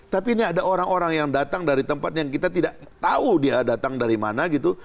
tapi ini ada orang orang yang datang dari tempat yang kita tidak tahu dia datang dari mana gitu